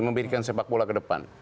memberikan sepak bola ke depan